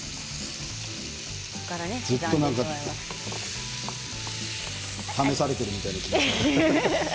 ずっと試されているみたいですけど。